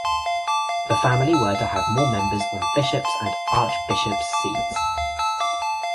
The family were to have more members on bishops' and archbishops' seats.